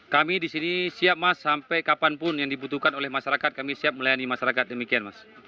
kami di sini siap mas sampai kapanpun yang dibutuhkan oleh masyarakat kami siap melayani masyarakat demikian mas